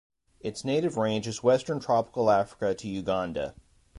Its native range is Western Tropical Africa to Uganda.